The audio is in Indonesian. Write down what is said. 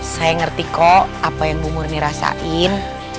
saya ngerti kok apa yang bu murni rasain